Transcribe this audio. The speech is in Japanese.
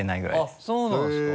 あっそうなんですか？